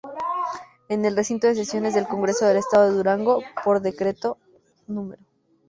En el recinto de sesiones del Congreso del Estado de Durango, por decreto No.